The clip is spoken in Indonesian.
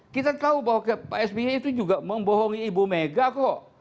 kita tahu bahwa pak sby itu juga membohongi ibu mega kok